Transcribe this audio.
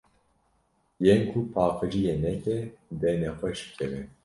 Yên ku paqijiyê neke, dê nexweş bikeve.